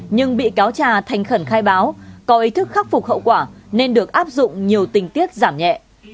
nhưng bị cáo trà thành khẩn khai báo có ý thức khắc phục hậu quả nên được áp dụng nhiều tình tiết giảm nhẹ